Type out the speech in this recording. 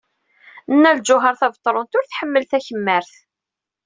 Nna Lǧuheṛ Tabetṛunt ur tḥemmel takemmart.